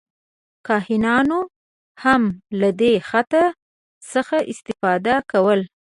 کاهنانو هم له دې خط څخه استفاده کوله.